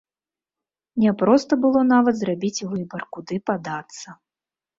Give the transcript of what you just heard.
Няпроста было нават зрабіць выбар, куды падацца.